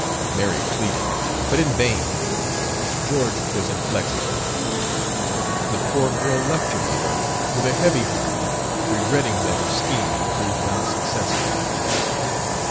Mary pleaded, but in vain George was inflexible. The poor girl left her lover with a heavy heart, regretting that her scheme had proved unsuccessful.